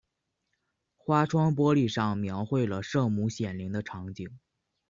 花窗玻璃上描绘了圣母显灵的场景。